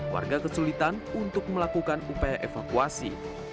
warga kesulitan untuk melakukan upaya evakuasi